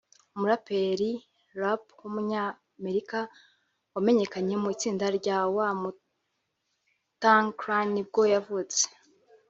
umuraperi Rap w’umunyamerika wamenyekanye mu itsinda rya Wu-Tang Clan nibwo yavutse